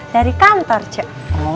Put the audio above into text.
dari kantor cek